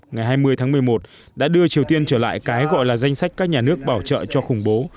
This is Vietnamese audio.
ngày hai mươi tháng một mươi một đã đưa triều tiên trở lại cái gọi là danh sách các nhà nước bảo trợ cho khủng bố